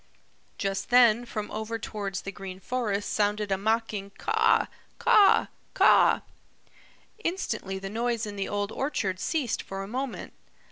Just then from over towards the Green Forest sounded a mocking "Caw, caw, caw!" Instantly the noise in the Old Orchard ceased for a moment.